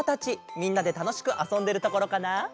みんなでたのしくあそんでるところかな？